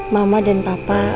mama dan papa